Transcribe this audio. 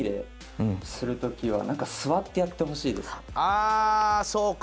ああそうか！